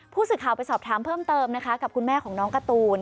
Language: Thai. ผู้สื่อข่าวไปสอบถามเพิ่มเติมนะคะกับคุณแม่ของน้องการ์ตูน